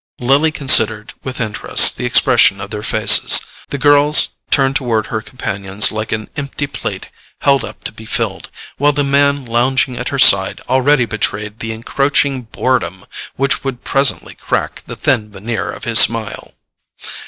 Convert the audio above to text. Lily considered with interest the expression of their faces: the girl's turned toward her companion's like an empty plate held up to be filled, while the man lounging at her side already betrayed the encroaching boredom which would presently crack the thin veneer of his smile.